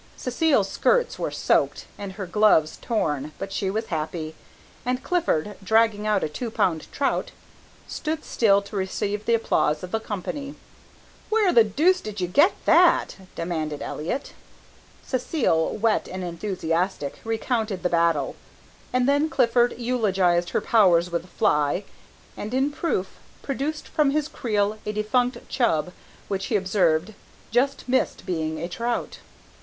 Cécile's skirts were soaked, and her gloves torn, but she was happy, and Clifford, dragging out a two pound trout, stood still to receive the applause of the company. "Where the deuce did you get that?" demanded Elliott. Cécile, wet and enthusiastic, recounted the battle, and then Clifford eulogized her powers with the fly, and, in proof, produced from his creel a defunct chub, which, he observed, just missed being a trout.